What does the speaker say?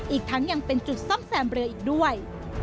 อีกทั้งยังเป็นจุดซ่อมแซมเรืออีกด้วย